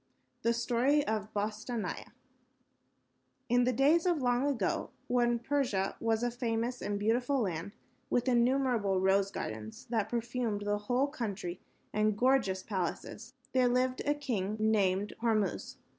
] The Story of Bostanai In the days of long ago, when Persia was a famous and beautiful land, with innumerable rose gardens that perfumed the whole country and gorgeous palaces, there lived a king, named Hormuz.